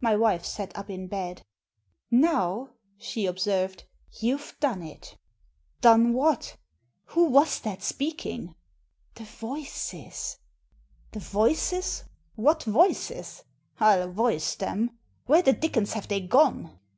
My wife sat up in bed. " Now," she observed, " you've done it." " Done what ? Who was that speaking ?"The voices." "The voices! What voices? I'll voice them! Where the dickens have they gone?"